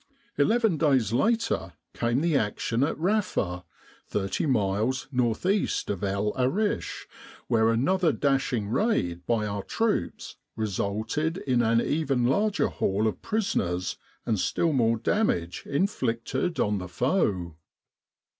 Eleven days later came the action at Rafa, thirty miles N.E. of El Arish, where another dashing raid by our troops resulted in an even larger haul of prisoners and still more damage inflicted on the foe.